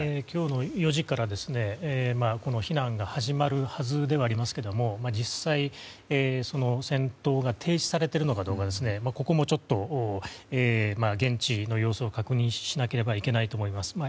今日の４時から避難が始まるはずではありますけど実際、戦闘が停止されているのかどうかここもちょっと現地の様子を確認しなければいけないと思います。